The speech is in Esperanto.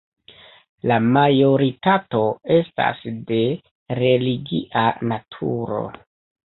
La majoritato estas de religia naturo.